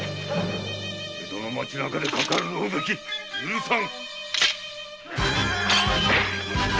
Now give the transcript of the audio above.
江戸の町中でかかる狼藉許さん！